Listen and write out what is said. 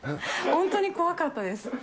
本当に怖かったです。